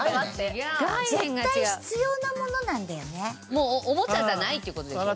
もうおもちゃじゃないっていう事ですよね。